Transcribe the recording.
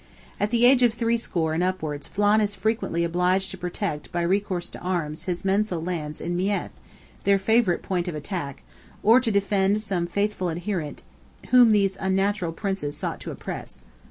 At the age of three score and upwards Flan is frequently obliged to protect by recourse to arms his mensal lands in Meath—their favourite point of attack—or to defend some faithful adherent whom these unnatural Princes sought to oppress.